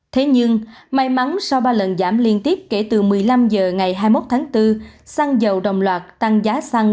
thế nhưng may mắn sau ba lần giảm liên tiếp kể từ một mươi năm h ngày hai mươi một tháng bốn xăng dầu đồng loạt tăng giá xăng